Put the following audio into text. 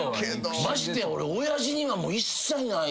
まして俺親父には一切ない。